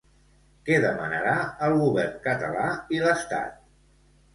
Què demanarà al govern català i l'Estat?